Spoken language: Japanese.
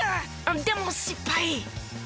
でも失敗。